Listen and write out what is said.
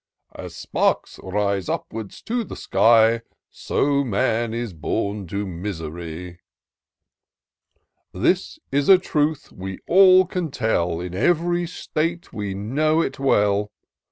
"* As sparks rise upwards to the sky, So man is bom to misery' " This is a truth we all can tell ; In every state we know it well.